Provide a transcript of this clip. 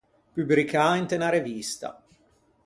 Pubricâ inte unna revista.